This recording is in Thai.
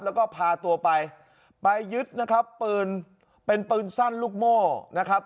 แล้วก็พาตัวไปไปยึดนะครับปืนเป็นปืนสั้นลูกโม่นะครับ